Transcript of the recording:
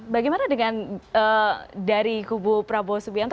bagaimana dengan dari kubu prabowo subianto